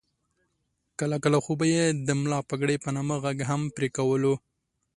کله کله خو به یې د ملا پګړۍ په نامه غږ هم پرې کولو.